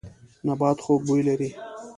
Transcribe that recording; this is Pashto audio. نبات خوږ بوی لري.